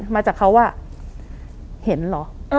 มาจากเขาว่าเห็นเหรอ